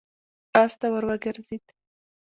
آس ته ور وګرځېد.